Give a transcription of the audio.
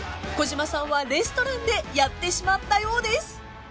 ［小島さんはレストランでやってしまったようです］